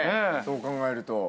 そう考えると。